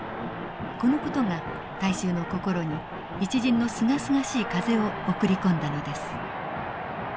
この事が大衆の心に一陣のすがすがしい風を送り込んだのです。